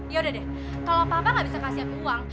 yaudah deh kalau papa gak bisa kasih aku uang